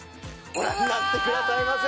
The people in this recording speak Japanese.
ご覧になってくださいませ。